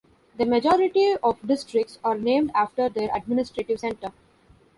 The majority of districts are named after their administrative centre.